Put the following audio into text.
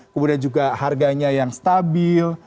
kemudian juga harganya yang stabil